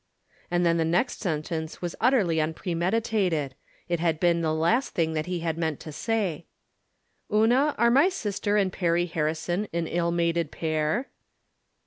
And then the next sentence was utterly unpre meditated ; it had been the last thing that he had meant to say :" Una, are my sister and Perry Harrison an Ul mated pair?"